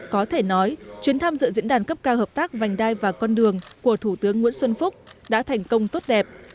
có thể nói chuyến tham dự diễn đàn cấp cao hợp tác vành đai và con đường của thủ tướng nguyễn xuân phúc đã thành công tốt đẹp